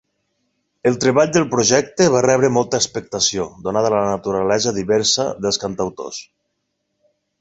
El treball del projecte va rebre molta expectació donada la naturalesa diversa dels cantautors.